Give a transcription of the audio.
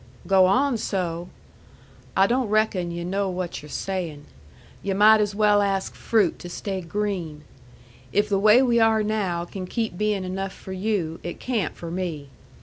"Go on so! I don't reckon yu' know what you're sayin'. Yu' might as well ask fruit to stay green. If the way we are now can keep bein' enough for you, it can't for me.